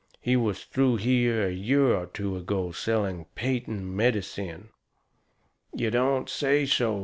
He was through here a year or two ago selling patent medicine." "You don't say so!"